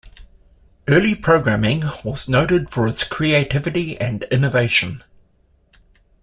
Early programming was noted for its creativity and innovation.